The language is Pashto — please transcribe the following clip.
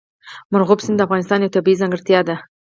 مورغاب سیند د افغانستان یوه طبیعي ځانګړتیا ده.